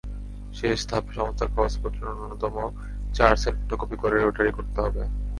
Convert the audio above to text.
শেষ ধাপে সমস্ত কাগজপত্র ন্যূনতম চার সেট ফটোকপি করে রোটারি করতে হবে।